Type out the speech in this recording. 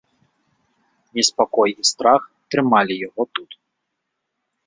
Неспакой і страх трымалі яго тут.